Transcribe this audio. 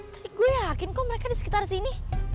tapi gue yakin kok mereka di sekitar sini